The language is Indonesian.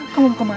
kamu mau kemana